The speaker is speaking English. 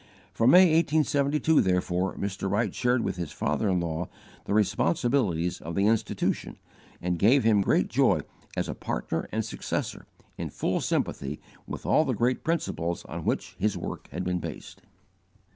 From May, 1872, therefore, Mr. Wright shared with his father in law the responsibilities of the Institution, and gave him great joy as a partner and successor in full sympathy with all the great principles on which his work had been based.